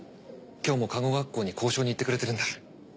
今日も看護学校に交渉に行ってくれてるんだ。